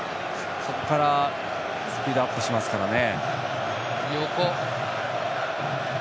そこから、スピードアップしますからね。